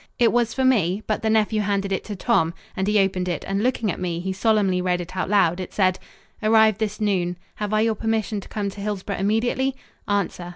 It was for me, but the nephew handed it to Tom, and he opened it and, looking at me, he solemnly read it out loud. It said "Arrived this noon. Have I your permission to come to Hillsboro immediately? Answer.